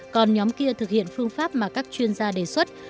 còn nhóm kia thực hiện phương pháp mà các chuyên gia đề xuất